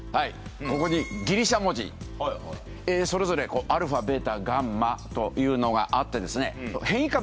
ここにギリシャ文字それぞれアルファベータガンマというのがあってですね。